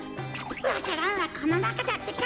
わか蘭はこのなかだってか。